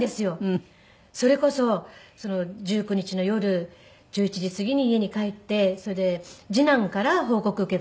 それこそ１９日の夜１１時すぎに家に帰ってそれで次男から報告受けたんですね。